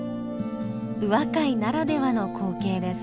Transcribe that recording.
宇和海ならではの光景です。